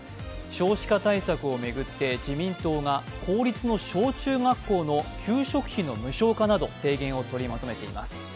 少子化対策を巡って自民党が公立の小中学校の給食費の無償化など提言を取りまとめています。